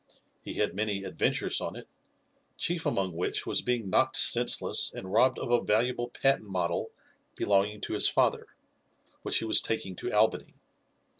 He had many adventures on it, chief among which was being knocked senseless and robbed of a valuable patent model belonging to his father, which he was taking to Albany.